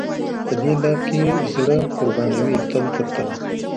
په دې لار کې زړه قربان وي تل تر تله.